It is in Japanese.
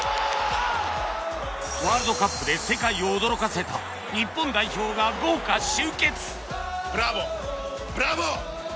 ワールドカップで世界を驚かせた日本代表が豪華集結！